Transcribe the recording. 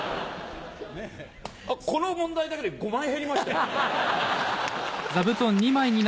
あっこの問題だけで５枚減りましたよ！